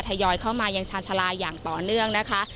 ทยอยเข้ามายังชาญชาลาอย่างต่อเนื่องนะคะ